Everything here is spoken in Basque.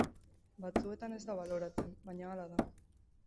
Batzuetan ez da baloratzen, baina hala da.